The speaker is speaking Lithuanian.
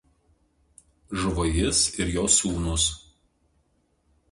Žuvo jis ir jo sūnūs.